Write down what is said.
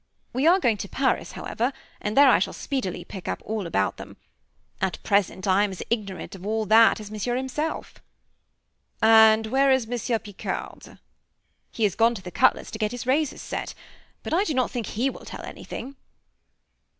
We are going to Paris, however, and there I shall speedily pick up all about them. At present I am as ignorant of all that as Monsieur himself." "And where is Monsieur Picard?" "He has gone to the cutler's to get his razors set. But I do not think he will tell anything."